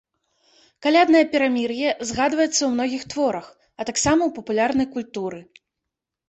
Каляднае перамір'е згадваецца ў многіх творах, а таксама ў папулярнай культуры.